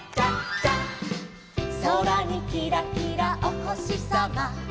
「そらにキラキラおほしさま」